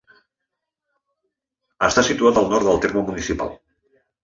Està situat al nord del terme municipal.